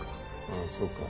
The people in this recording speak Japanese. ああそうか。